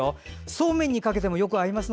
そうめんにかけてもよく合います。